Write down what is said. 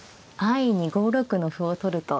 安易に５六の歩を取ると。